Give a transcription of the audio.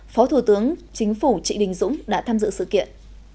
phó thủ tướng chính phủ trị đình dũng đã tham dự sự kiện